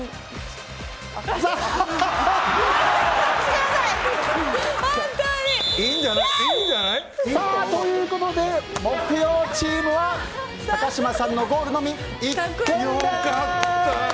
残念！ということで木曜チームは高嶋さんのゴールのみ１点です。